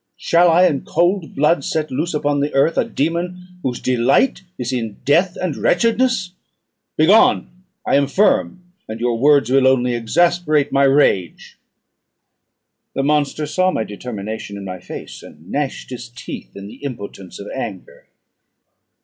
Shall I, in cool blood, set loose upon the earth a dæmon, whose delight is in death and wretchedness? Begone! I am firm, and your words will only exasperate my rage." The monster saw my determination in my face, and gnashed his teeth in the impotence of anger.